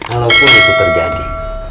kalaupun itu terjadi